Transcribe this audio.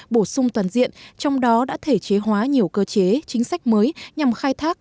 bổ sung toàn diện trong đó đã thể chế hóa nhiều cơ chế chính sách mới nhằm khai thác